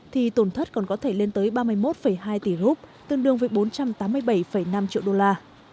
thì tổn thất còn có thể lên tới ba mươi một hai tỷ rup tương đương với bốn trăm tám mươi bảy năm triệu đô la